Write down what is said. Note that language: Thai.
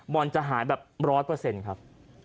บอลจะหายแบบร้อยเปอร์เซ็นต์ครับ